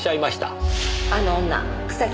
あの女草木